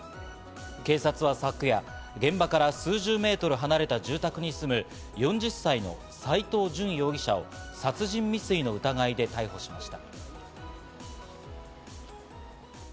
警察は昨夜、現場から数十メートル離れた住宅に住む、４０歳の斎藤淳容疑者を殺人未遂の疑いで逮捕しました。